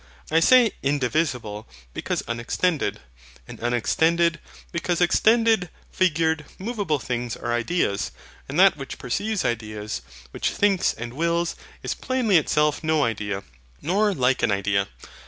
I say INDIVISIBLE, because unextended; and UNEXTENDED, because extended, figured, moveable things are ideas; and that which perceives ideas, which thinks and wills, is plainly itself no idea, nor like an idea.